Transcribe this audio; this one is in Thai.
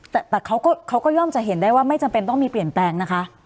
แต่เขาก็ย่อมจะเห็นได้ว่าไม่จำเป็นต้องมีเปลี่ยนแปลงนะคะ